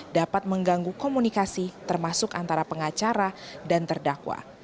dapat mengganggu komunikasi termasuk antara pengacara dan terdakwa